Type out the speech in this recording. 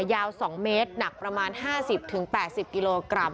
ยาว๒เมตรหนักประมาณ๕๐๘๐กิโลกรัม